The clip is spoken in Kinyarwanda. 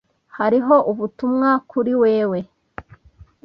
Hariho ubutumwa kuri wewe.